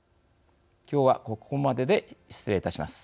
今日はここまでで失礼いたします。